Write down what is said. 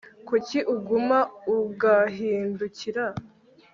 Kuki uguma ugahindukira